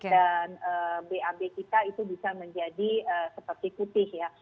dan bab kita itu bisa menjadi seperti putih ya